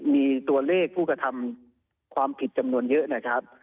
มีตัวเลขผู้กระทำความผิดจำนวนเยอะนะครับ